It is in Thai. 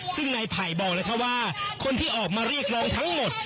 ซึ่งนายไผ่บอกเลยค่ะว่าคนที่ออกมาเรียกร้องทั้งหมด